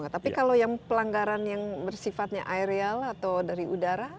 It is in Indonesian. tapi kalau yang pelanggaran yang bersifatnya aerial atau dari udara